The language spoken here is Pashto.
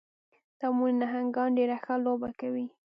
د امو نهنګان ډېره ښه لوبه کوي.